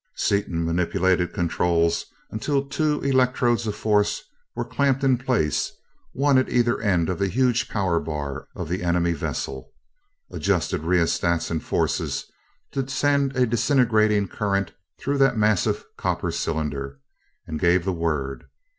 Seaton manipulated controls until two electrodes of force were clamped in place, one at either end of the huge power bar of the enemy vessel; adjusted rheostats and forces to send a disintegrating current through that massive copper cylinder, and gave the word.